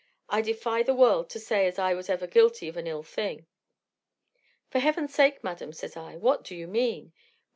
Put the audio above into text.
I defy the world to say as I ever was guilty of an ill thing.' For heaven's sake, madam, says I, what do you mean?